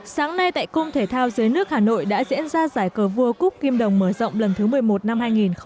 sáng nay tại cung thể thao dưới nước hà nội đã diễn ra giải cờ vua cúc kim đồng mở rộng lần thứ một mươi một năm hai nghìn một mươi chín